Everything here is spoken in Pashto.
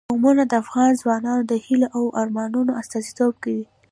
قومونه د افغان ځوانانو د هیلو او ارمانونو استازیتوب کوي.